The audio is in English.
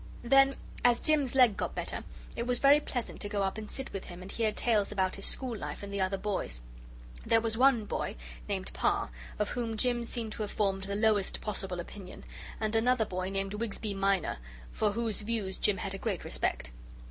Then as Jim's leg got better it was very pleasant to go up and sit with him and hear tales about his school life and the other boys. There was one boy, named Parr, of whom Jim seemed to have formed the lowest possible opinion, and another boy named Wigsby Minor, for whose views Jim had a great respect.